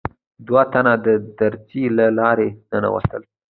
دوه تنه د دريڅې له لارې ننوتل.